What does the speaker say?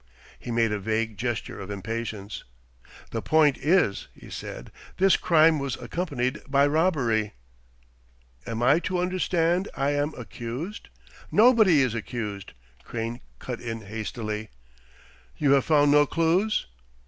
He made a vague gesture of impatience. "The point is," he said, "this crime was accompanied by robbery." "Am I to understand I am accused?" "Nobody is accused," Crane cut in hastily. "You have found no clues